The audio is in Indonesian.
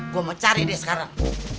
gue mau cari deh sekarang